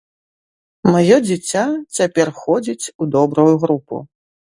Маё дзіця цяпер ходзіць у добрую групу.